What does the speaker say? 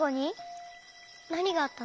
なにがあったの？